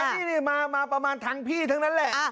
นี่มาประมาณทั้งพี่ทั้งนั้นแหละ